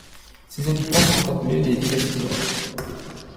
Ses habitants sont appelés les Villespinois.